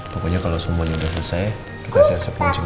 pokoknya kalau semuanya udah selesai kita siap siap nguncin